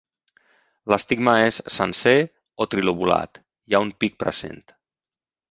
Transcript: L'estigma és sencer o trilobulat; hi ha un pic present.